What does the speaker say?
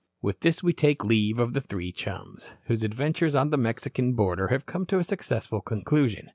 With this we take leave of the three chums, whose adventures on the Mexican border have come to so successful a conclusion.